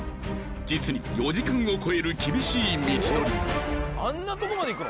実に４時間を超える厳しい道のりあんなとこまで行くの？